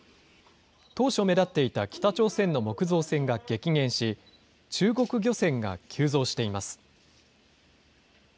当初目立っていた北朝鮮の木造船が激減し、中国漁船が急増しています。